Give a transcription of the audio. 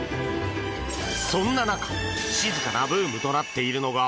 そんな中、静かなブームとなっているのが。